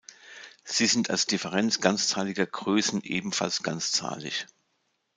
Sie sind als Differenz ganzzahliger Größen ebenfalls ganzzahlig.